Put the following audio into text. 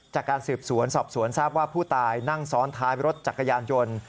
จากการสืบสวนสอบสวนทราบว่าผู้ตายนั่งซ้อนท้ายรถจักรยานยนต์